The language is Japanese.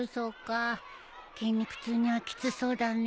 筋肉痛にはきつそうだね。